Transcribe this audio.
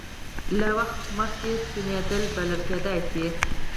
له وخت مخکې سپینېدل بلل کېدای شي.